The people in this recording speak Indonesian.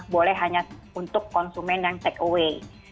boleh hanya untuk konsumen yang take away